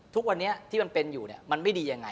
ทุกวันนี้ที่มันเป็นอยู่มันไม่ดียังไง